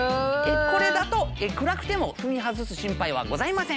これだと暗くても踏み外す心配はございません。